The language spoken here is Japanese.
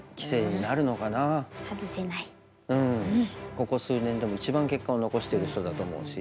ここ数年でも一番結果を残してる人だと思うし。